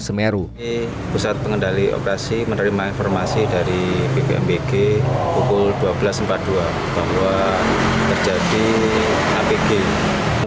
semeru pusat pengendali operasi menerima informasi dari bbm bg pukul dua belas empat puluh dua bahwa terjadi api game